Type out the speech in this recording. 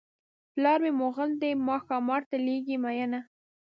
پلار مې مغل دی ما ښامار ته لېږي مینه.